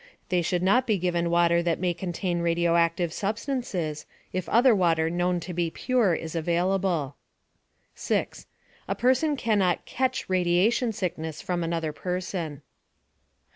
They should not be given water that may contain radioactive substances, if other water known to be pure is available. 6. A person cannot "catch" radiation sickness from another person.